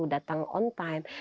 datang on time